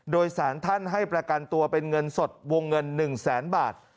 โดยสารท่านให้ประกันตัวเป็นเงินสดวงเงิน๑แสนบาท